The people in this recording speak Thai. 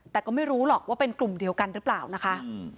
แต่ก็ไม่รู้หรอกว่าเป็นกลุ่มเดียวกันหรือเปล่านะคะ